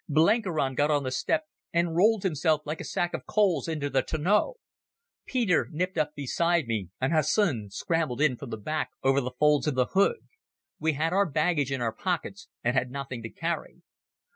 Blenkiron got on the step and rolled himself like a sack of coals into the tonneau. Peter nipped up beside me, and Hussin scrambled in from the back over the folds of the hood. We had our baggage in our pockets and had nothing to carry.